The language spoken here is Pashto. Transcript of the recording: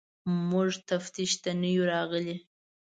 موږ تفتیش ته نه یو راغلي.